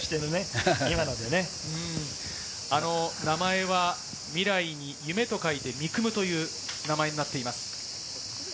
名前は「未来」に「夢」と書いて「未来夢」という名前になっています。